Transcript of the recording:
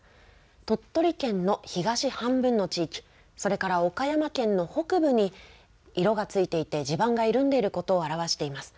鳥取県の東半分の地域、それから岡山県の北部に色がついていて地盤が緩んでいることを表しています。